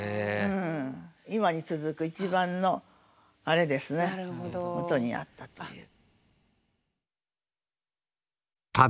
今に続く一番のあれですねもとにあったという。